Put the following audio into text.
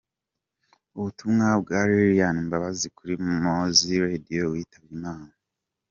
Ubutumwa bwa Lilian Mbabazi kuri Mowzey Radio witabye Imana.